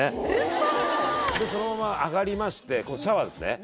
そのまま上がりましてシャワーですね